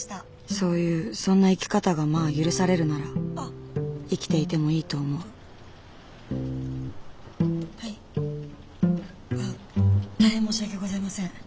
そういうそんな生き方がまあ許されるなら生きていてもいいと思うはいああ大変申し訳ございません。